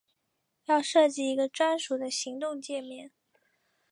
要设计一个专属的行动介面